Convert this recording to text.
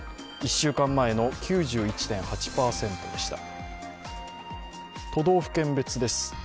１週間前の９１．８％でした。